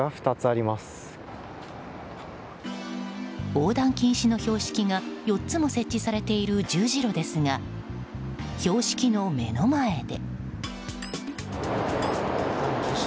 横断禁止の標識が４つも設置されている十字路ですが、標識の目の前で。